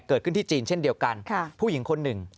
เกิดขึ้นที่จีนเช่นเดียวกันผู้หญิงคนหนึ่ง